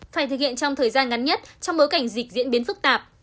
phải thực hiện trong thời gian ngắn nhất trong bối cảnh dịch diễn biến phức tạp